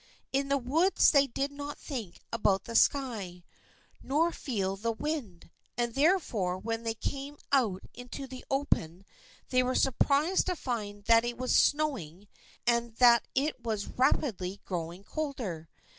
In the woods they did not think about the sky, nor feel the wind, and therefore when they came out into the open they were surprised to find that it was snowing and that it was rapidly growing colder.